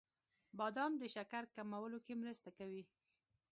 • بادام د شکر کمولو کې مرسته کوي.